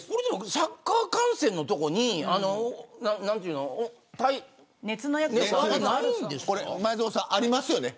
サッカー観戦のところに前園さん、ありますよね。